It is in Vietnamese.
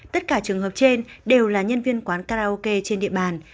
tất cả trường hợp trên đều là nhân viên quán karaoke trên địa bàn